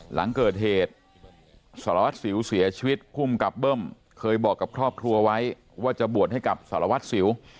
หลังเกิดเหตุสารวัตรสิวเสียชีวิตภูมิกับเบิ้มเคยบอกกับครอบครัวไว้ว่าจะบวชให้กับสารวัตรสิว